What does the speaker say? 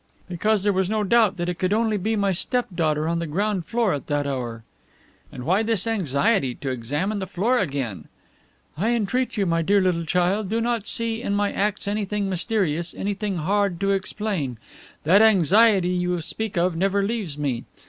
"Because there was no doubt that it could only be my step daughter on the ground floor at that hour." "And why this anxiety to examine the floor again?" "I entreat you, my dear little child, do not see in my acts anything mysterious, anything hard to explain. That anxiety you speak of never leaves me.